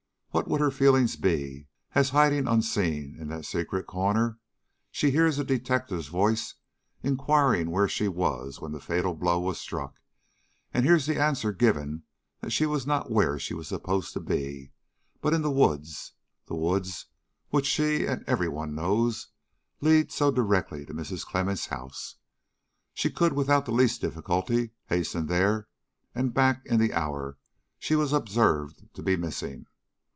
What would her feelings be, as, hiding unseen in that secret corner, she hears a detective's voice inquiring where she was when the fatal blow was struck, and hears the answer given that she was not where she was supposed to be, but in the woods the woods which she and every one know lead so directly to Mrs. Clemmens' house, she could without the least difficulty hasten there and back in the hour she was observed to be missing?